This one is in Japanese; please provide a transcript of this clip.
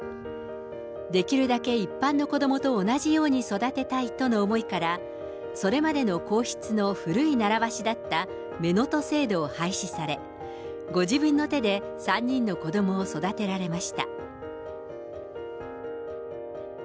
できるだけ一般の子どもと同じように育てたいとの思いから、それまでの皇室の古い習わしだった乳人制度を廃止され、ご自分の手で３人の子どもを育てられました。